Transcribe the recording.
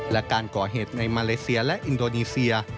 และการก่อเหตุในมาเลเซียและอินโดนีเซีย